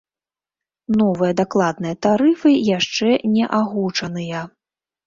Новыя дакладныя тарыфы яшчэ не агучаныя.